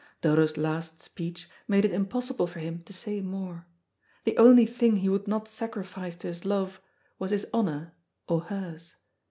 Dodo's last speech made it impossible for him to say more. The only thing he would not sacrifice to his love was his honour or hers.